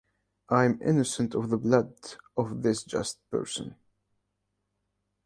I am innocent of the blood of this just person.